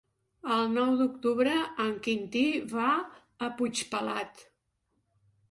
El nou d'octubre en Quintí va a Puigpelat.